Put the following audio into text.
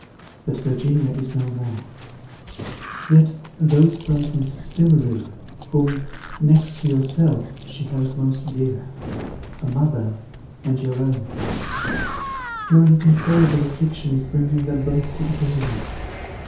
But Virginia is no more; yet those persons still live, whom, next to yourself, she held most dear; her mother, and your own: your inconsolable affliction is bringing them both to the grave.